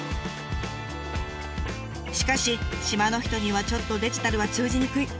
しかし島の人にはちょっとデジタルは通じにくい。